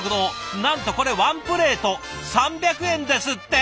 なんとこれワンプレート３００円ですって！